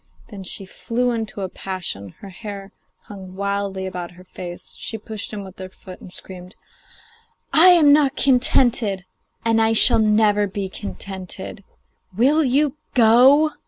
Then she flew into a passion, her hair hung wildly about her face, she pushed him with her foot and screamed: 'I am not contented, and I shall not be contented! Will you go?